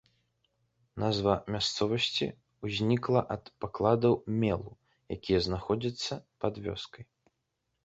Назва мясцовасці ўзнікла ад пакладаў мелу, якія знаходзяцца пад вёскай.